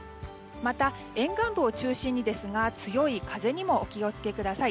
また、沿岸部を中心にですが強い風にもお気を付けください。